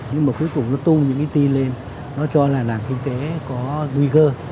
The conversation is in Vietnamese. nhưng mà cuối cùng nó tung những cái tt lên nó cho là nàng kinh tế có nguy cơ